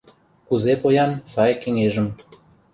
Кузе поян, сай кеҥежым